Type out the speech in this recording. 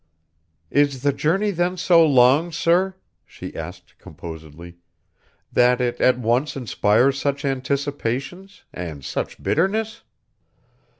"Is the journey then so long, sir," she asked composedly, "that it at once inspires such anticipations and such bitterness?"